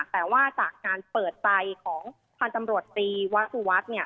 แต่ว่าจากการเปิดใจของพันธบรตรีวัสวัสดิ์